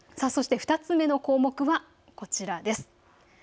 ２つ目の項目は、こちらです。